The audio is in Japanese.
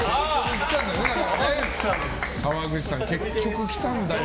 川口さん、結局来たんだよ。